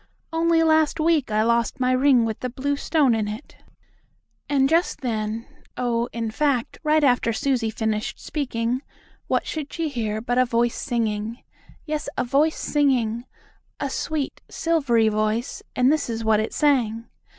Only last week I lost my ring with the blue stone in it." And just then oh, in fact, right after Susie finished speaking, what should she hear but a voice singing. Yes, a voice singing; a sweet, silvery voice, and this is what it sang.